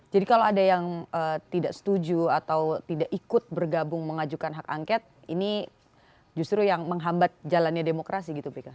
jadi kalau ada yang tidak setuju atau tidak ikut bergabung mengajukan hak angket ini justru yang menghambat jalannya demokrasi gitu pika